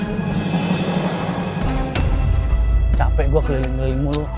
bapak bapak enggak ada yang datang ke sini